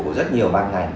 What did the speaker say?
của rất nhiều ban ngành